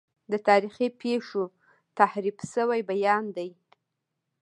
د تاریخي پیښو تحریف شوی بیان دی.